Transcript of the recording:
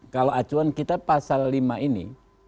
kalau acuan kita pasal lima ini